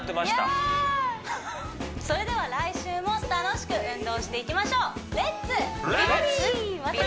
イヤーそれでは来週も楽しく運動していきましょう「レッツ！美バディ」